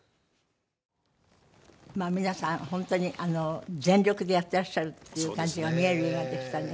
まあ皆さん本当に全力でやってらっしゃるっていう感じが見える映画でしたね。